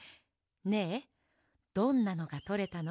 ねえどんなのがとれたの？